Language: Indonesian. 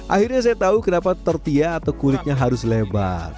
akhirnya saya tahu kenapa tortilla atau kulitnya harus lebar